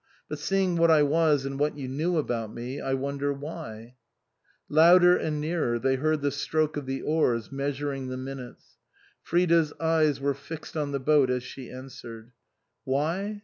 But seeing what I was and what you knew about me, I wonder why ?" Louder and nearer they heard the stroke of the oars measuring the minutes. Frida's eyes were fixed on the boat as she answered. "Why?